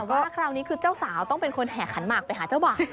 แต่ว่าคราวนี้คือเจ้าสาวต้องเป็นคนแห่ขันหมากไปหาเจ้าบ่าว